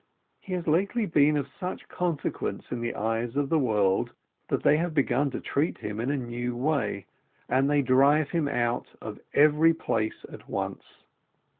He has lately been of such consequence in the eyes of the world that they have begun to treat him in a new way, and they drive him out of every place at once.